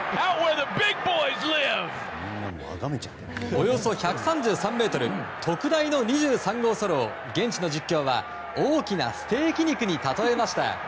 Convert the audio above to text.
およそ１３３ｍ特大の２３号ソロを現地の実況は大きなステーキ肉に例えました。